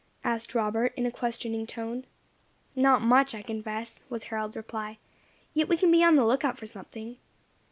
asked Robert, in a questioning tone. "Not much, I confess," was Harold's reply; "yet we can be on the lookout for something.